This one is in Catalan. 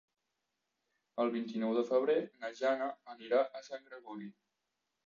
El vint-i-nou de febrer na Jana anirà a Sant Gregori.